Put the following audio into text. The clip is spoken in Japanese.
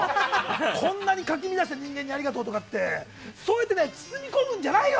こんなにかき乱した人間にありがとうとかそうやって包み込むんじゃないよ！